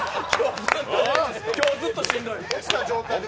今日ずっとしんどい。